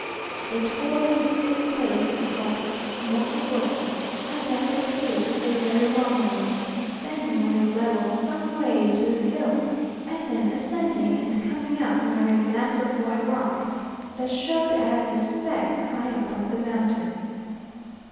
They told me this place is called Boko Boko, and that the cave is a very long one, extending on a level some way into the hill, and then ascending and coming out near a mass of white rock that showed as a speck high up on the mountain.